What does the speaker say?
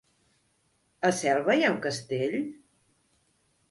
A Selva hi ha un castell?